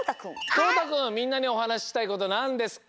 とうたくんみんなにおはなししたいことなんですか？